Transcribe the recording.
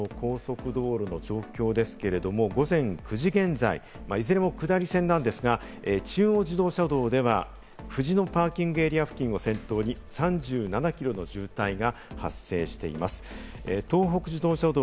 そしてその他の高速道路の状況ですけれども、午前９時現在、いずれも下り線なんですが、中央自動車道では藤野パーキングエリア付近を先頭に３７キロの渋滞が発生しています。